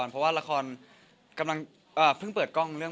จากที่เราได้พูดออกไปแล้ว